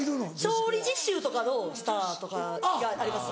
調理実習とかのスターとかがあります。